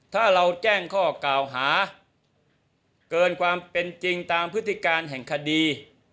ถ้าเราแจ้งข้อกล่าวหาเกินความเป็นจริงตามพฤติการแห่งคดี